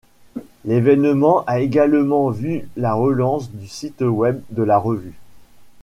L'événement a également vu la relance du site Web de la revue.